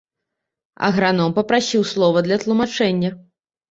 Аграном папрасіў слова для тлумачэння.